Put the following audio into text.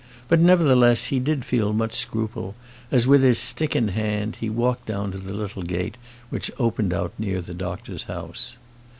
But, nevertheless, he did feel much scruple, as, with his stick in hand, he walked down to the little gate which opened out near the doctor's house.